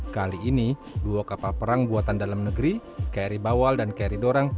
kali ini dua kapal perang buatan dalam negeri kri bawal dan kri dorang